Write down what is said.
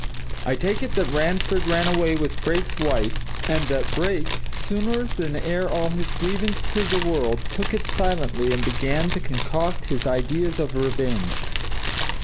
I take it that Ransford ran away with Brake's wife, and that Brake, sooner than air all his grievance to the world, took it silently and began to concoct his ideas of revenge.